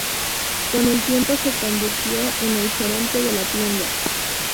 Con el tiempo se convirtió en el gerente de la tienda.